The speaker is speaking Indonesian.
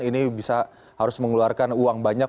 ini bisa harus mengeluarkan uang banyak